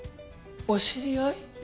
お知り合い？